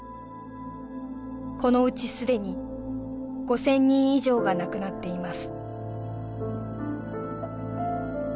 このうちすでに５０００人以上が亡くなっています・